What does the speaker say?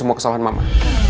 semua kesalahan mama